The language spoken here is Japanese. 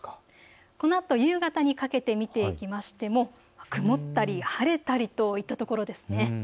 このあと夕方にかけて見ていきましても曇ったり晴れたりといったところです。